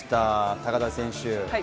高田選手